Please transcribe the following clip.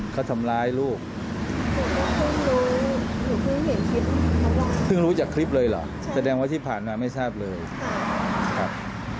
เขารู้ว่าเขาผิดเขาจะไม่เข้าบ้าน